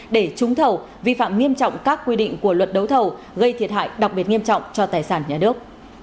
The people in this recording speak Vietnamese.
để trúng thầu vi phạm nghiêm trọng các quy định của luật đấu thầu gây thiệt hại đặc biệt nghiêm trọng cho tài sản nhà nước